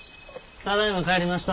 ただいま帰りました。